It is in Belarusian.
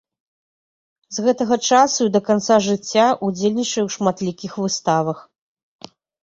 З гэтага часу і да канца жыцця ўдзельнічае ў шматлікіх выставах.